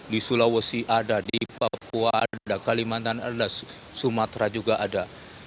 di sulawesi ada di papua ada kalimantan ada sumatera juga ada